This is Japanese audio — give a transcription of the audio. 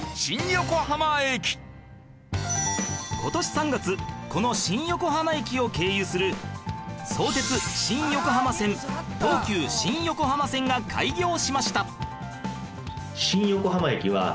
今年３月この新横浜駅を経由する相鉄新横浜線東急新横浜線が開業しました